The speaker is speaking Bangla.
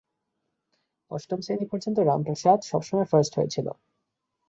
অষ্টম শ্রেণী পর্যন্ত রামপ্রসাদ সবসময় ফাস্ট হয়েছিল।